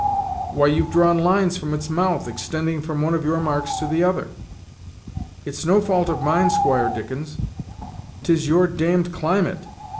Why, you've drawn lines from its mouth, extending from one of your marks to the other." "It's no fault of mine, Squire Dickens; 'tis your d d climate.